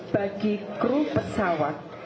bagi kru pesawat